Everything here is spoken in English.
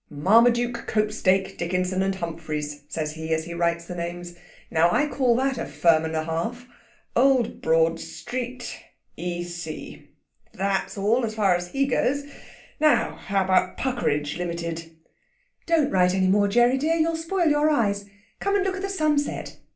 "Marmaduke, Copestake, Dickinson, and Humphreys," says he, as he writes the names. "Now I call that a firm and a half. Old Broad Street, E.C. That's all! as far as he goes. Now, how about Puckeridge, Limited?" "Don't write any more, Gerry dear; you'll spoil your eyes. Come and look at the sunset.